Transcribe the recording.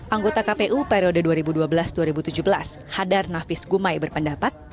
anggota kpu periode dua ribu dua belas dua ribu tujuh belas hadar nafis gumai berpendapat